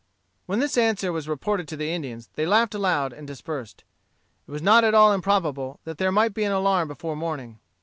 When this answer was reported to the Indians they laughed aloud and dispersed. It was not at all improbable that there might be an alarm before morning.